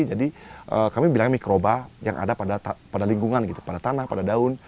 jadi kami bilangnya mikroba yang ada pada lingkungan pada tanah pada daun